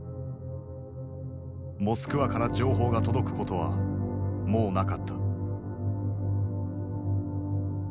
モスクワから情報が届くことはもうなかった。